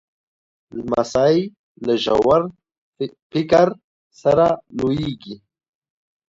لمسی له ژور فکر سره لویېږي.